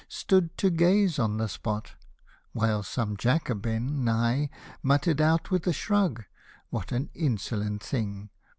Stood to gaze on the spot — while some Jacobin, nigh, Muttered out with a shrug (what an insolent thing